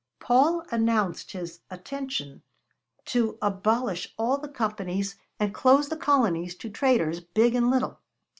Paul announced his attention to abolish all the companies and close the colonies to traders big and little.